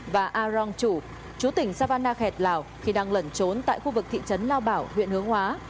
và arong chu chú tỉnh savana khẹt lào khi đang lẩn trốn tại khu vực thị trấn lao bảo huyện hướng hóa